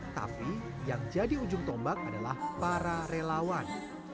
tapi yang jadi ujung tombak adalah para relawan